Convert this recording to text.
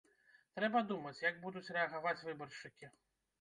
Трэба думаць, як будуць рэагаваць выбаршчыкі.